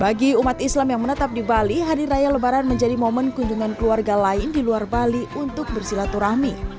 bagi umat islam yang menetap di bali hari raya lebaran menjadi momen kunjungan keluarga lain di luar bali untuk bersilaturahmi